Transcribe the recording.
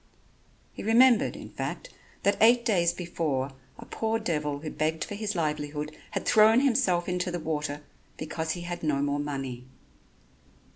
He remembered, in fact, that eight days before a poor devil who begged for his livelihood, had thrown himself into the water because he had no more money.